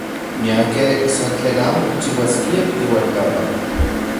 Miakej san tlen amo kichiuaskiaj tekiuajkapa.